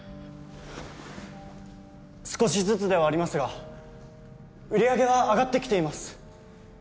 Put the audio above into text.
少しずつではありますが売り上げは上がってきています。